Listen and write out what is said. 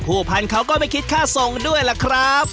พันธุ์เขาก็ไม่คิดค่าส่งด้วยล่ะครับ